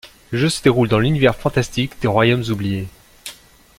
Le jeu se déroule dans l'univers fantastique des Royaumes oubliés.